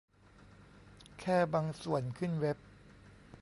แค่บางส่วนขึ้นเว็บ